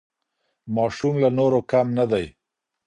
ماشوم له نورو کم نه دی.